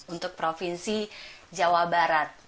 untuk provinsi jawa barat